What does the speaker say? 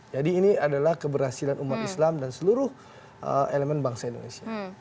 ini adalah keberhasilan umat islam dan seluruh elemen bangsa indonesia